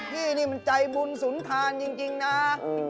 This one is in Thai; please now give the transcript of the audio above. พี่นี่มันใจบุญสุนทานจริงนะ